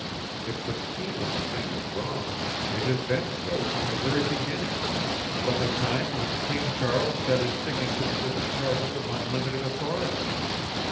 If the scheme of the thing is wrong, it has been so from the very beginning, from the time when King Charles set his signature to the charter of unlimited authority.